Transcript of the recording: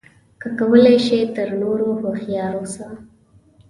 که کولای شې تر نورو هوښیار اوسه.